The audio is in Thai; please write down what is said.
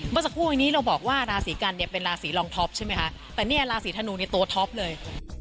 เมื่อสักครู่อันนี้เราบอกว่าราศีกัณฑ์เป็นราศีรองท็อปใช่มั้ยคะแต่ราศีธนูเนี่ยตัวท็อปเลย